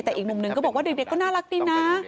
แต่อีกมุมหนึ่งก็บอกว่าเด็กก็น่ารักดีนะ